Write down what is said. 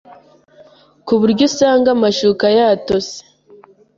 ku buryo usanga amashuka yatose